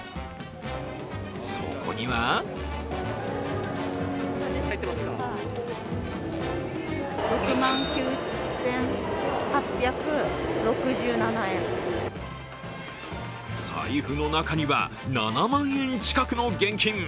そこには財布の中には７万円近くの現金。